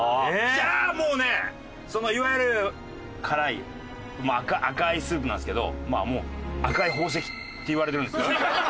じゃあもうねいわゆる辛い赤いスープなんですけど赤い宝石って言われてる。